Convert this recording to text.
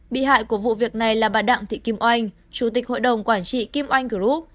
bị hại của vụ việc này là bà đặng thị kim oanh chủ tịch hội đồng quản trị kim oanh group